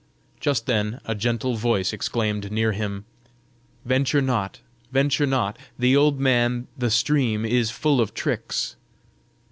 Just then a gentle voice exclaimed near him: "Venture not, venture not, the old man, the stream, is full of tricks!"